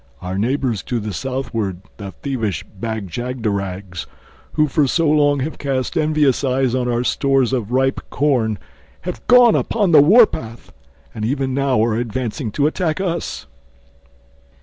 Our neighbors to the southward, the thievish Bag jagderags, who for so long have cast envious eyes on our stores of ripe corn, have gone upon the war path; and even now are advancing to attack us."